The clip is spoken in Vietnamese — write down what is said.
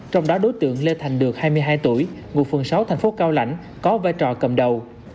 trong đó đối tượng lê thành được hai mươi hai tuổi ngụ phường sáu thành phố cao lãnh có vai trò cầm đầu